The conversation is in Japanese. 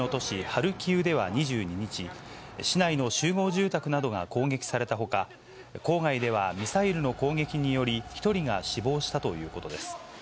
ハルキウでは２２日、市内の集合住宅などが攻撃されたほか、郊外ではミサイルの攻撃により、１人が死亡したということです。